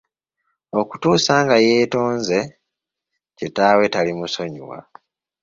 Okutuusa nga yeetonze kitaawe talimusonyiwa.